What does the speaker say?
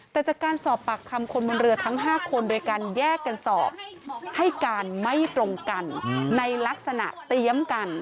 แต่จากการสอบปากคำคนบนเรือทั้ง๕คนโดยการแยกกันสอบให้การไม่ตรงกันในลักษณะเตรียมกัน